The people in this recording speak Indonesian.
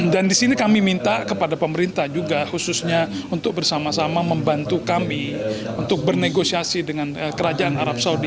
dan disini kami minta kepada pemerintah juga khususnya untuk bersama sama membantu kami untuk bernegosiasi dengan kerajaan arab saudara